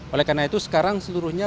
oleh karena itu sekarang seluruhnya